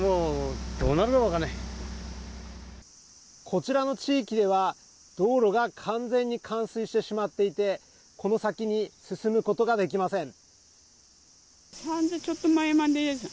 こちらの地域では道路が完全に冠水してしまっていてこの先に進むことができません。